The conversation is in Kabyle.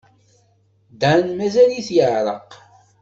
Dan mazal-it yeɛreq.